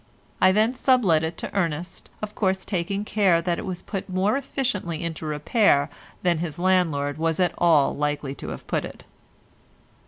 I then sublet it to Ernest, of course taking care that it was put more efficiently into repair than his landlord was at all likely to have put it.